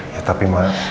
ya tapi mama